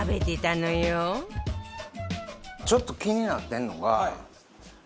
ちょっと気になってんのがもうこの。